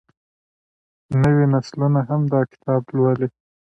نوې نسلونه هم دا کتاب لولي.